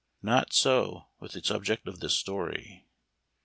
Not so with the subject of this story.